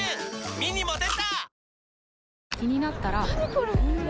ミニも出た！